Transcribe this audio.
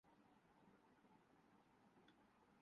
ماہرین کی بقول گو کہ پلیٹ کی تقسیم کا یہ عمل کئی